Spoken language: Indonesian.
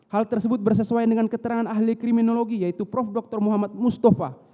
hal tersebut bersesuaian dengan keterangan ahli kriminologi yaitu prof dr muhammad mustafa